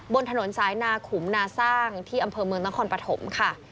บนถนนสายนาขุมนาสร้างที่อำเภอเมืองนครปฐมค่ะ